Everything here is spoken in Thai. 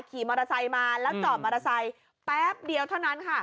ขจอกมอเตอร์ไซแป๊บเดียวเท่านั้น